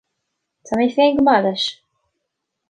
Tá mé féin go maith leis